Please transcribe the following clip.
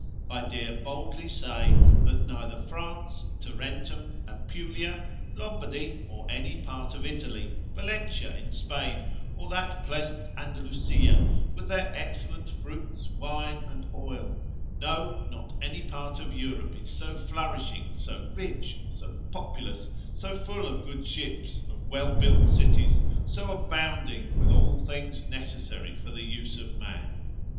I dare boldly say, that neither France, Tarentum, Apulia, Lombardy, or any part of Italy, Valentia in Spain, or that pleasant Andalusia, with their excellent fruits, wine and oil, two harvests, no not any part of Europe is so flourishing, so rich, so populous, so full of good ships, of well built cities, so abounding with all things necessary for the use of man.